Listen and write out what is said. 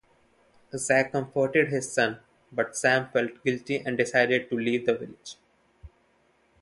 Zak comforted his son, but Sam felt guilty and decided to leave the village.